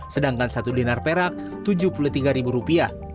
sedangkan satu dinar perak rp tujuh puluh tiga